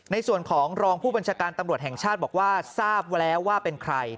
ในส่วนของรองผู้บัญชาการตำรวจแห่งชาติบอกว่าทราบแล้วว่าเป็นใคร